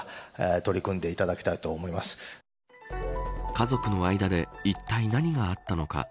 家族の間でいったい何があったのか。